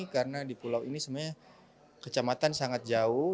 karena di pulau ini sebenarnya kecamatan sangat jauh